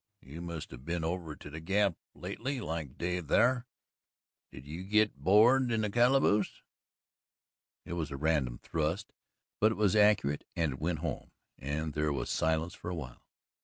You must have been over to the Gap lately like Dave thar did you git board in the calaboose?" It was a random thrust, but it was accurate and it went home, and there was silence for a while.